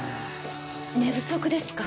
寝不足ですか？